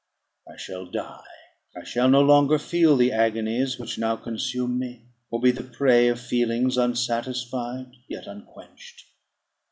I shall die. I shall no longer feel the agonies which now consume me, or be the prey of feelings unsatisfied, yet unquenched.